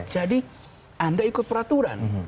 jadi anda ikut peraturan